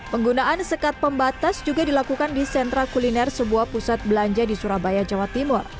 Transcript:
penggunaan sekat pembatas juga dilakukan di sentra kuliner sebuah pusat belanja di surabaya jawa timur